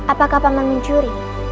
apakah paman mencuri